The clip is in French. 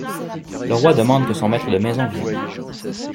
Le roi demande que son maître de maison vienne.